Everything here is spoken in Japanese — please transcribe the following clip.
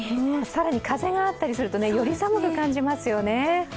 更に風があったりすると、より寒く感じますよね。